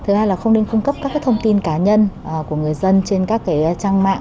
thứ hai là không nên cung cấp các thông tin cá nhân của người dân trên các trang mạng